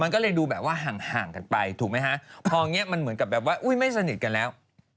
มันก็เลยดูแบบว่าห่างกันไปถูกไหมฮะพออย่างนี้มันเหมือนกับแบบว่าอุ้ยไม่สนิทกันแล้ว